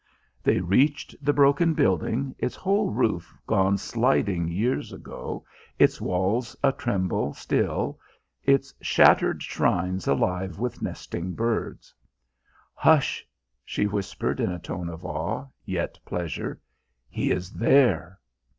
They reached the broken building, its whole roof gone sliding years ago, its walls a tremble still, its shattered shrines alive with nesting birds. "Hush!" she whispered in a tone of awe, yet pleasure. "He is there!"